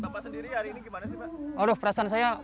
perasaan bapak sendiri hari ini gimana sih pak